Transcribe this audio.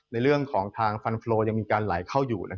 ในเรื่องของทางฟันโครยังมีการไหลเข้าอยู่